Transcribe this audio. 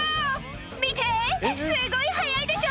「見てすごい速いでしょ」